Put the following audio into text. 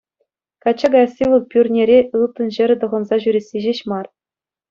Качча каясси вӑл пӳрнере ылтӑн ҫӗрӗ тӑхӑнса ҫӳресси ҫеҫ мар.